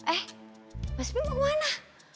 eh mas bi mau kemana